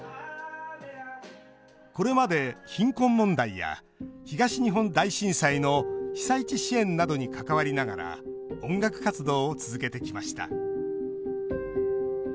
これまで、貧困問題や東日本大震災の被災地支援などに関わりながら音楽活動を続けてきました。